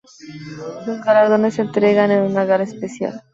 Los galardones se entregan en una gala especial.